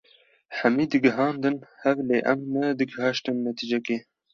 hemî digihandin hev lê em ne digihaştin netîcekê.